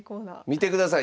見てください